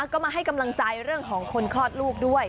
ก็มาให้กำลังใจเรื่องของคนคลอดลูกด้วย